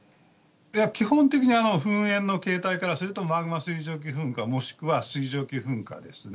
基本的に噴煙の形態からすると、マグマ水蒸気噴火、もしくは水蒸気噴火ですね。